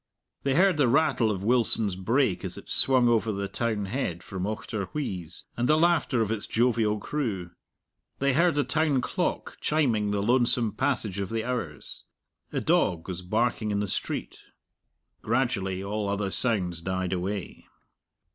They heard the rattle of Wilson's brake as it swung over the townhead from Auchterwheeze, and the laughter of its jovial crew. They heard the town clock chiming the lonesome passage of the hours. A dog was barking in the street. Gradually all other sounds died away.